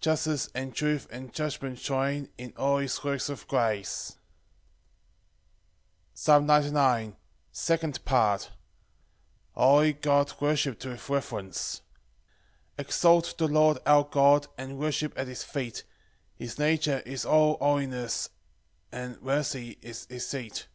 Justice, and truth, and judgment join In all his works of grace. Psalm 99:2. Second Part. A holy God worshipped with reverence. 1 Exalt the Lord our God, And worship at his feet; His nature is all holiness, And mercy is his seat.